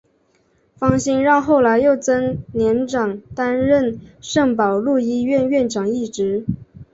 方心让后来又曾长年担任圣保禄医院院长一职。